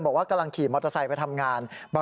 บอกว่ากำลังขี่มอเตอร์ไซค์ไปทำงาน